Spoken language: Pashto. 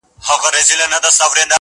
سیاه پوسي ده، خاوري مي ژوند سه.